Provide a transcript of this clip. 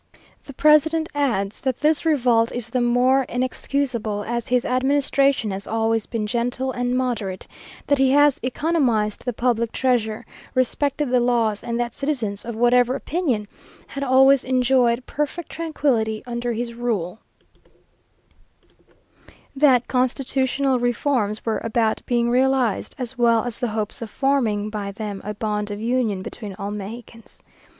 The president adds, "that this revolt is the more inexcusable, as his administration has always been gentle and moderate; that he has economized the public treasure, respected the laws, and that citizens of whatever opinion had always enjoyed perfect tranquillity under his rule that constitutional reforms were about being realized, as well as the hopes of forming by them a bond of union between all Mexicans."